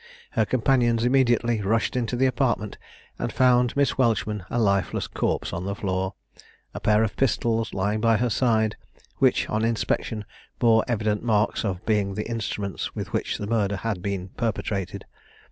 Her companions immediately rushed into the apartment, and found Miss Welchman a lifeless corpse on the floor, a pair of pistols lying by her side, which on inspection bore evident marks of being the instruments with which the murder had been perpetrated.